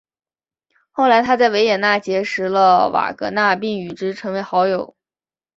后来他在维也纳结识了瓦格纳并与之成为好友。